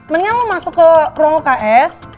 mendingan lo masuk ke ruang ks